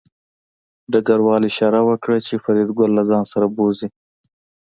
ډګروال اشاره وکړه چې فریدګل له ځان سره بوځي